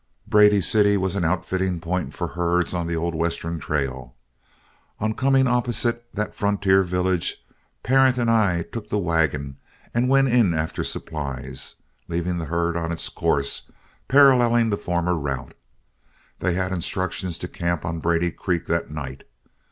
Brady City was an outfitting point for herds on the old western trail. On coming opposite that frontier village, Parent and I took the wagon and went in after supplies, leaving the herd on its course, paralleling the former route. They had instructions to camp on Brady Creek that night.